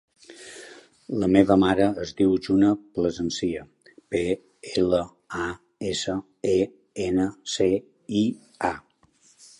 La meva mare es diu June Plasencia: pe, ela, a, essa, e, ena, ce, i, a.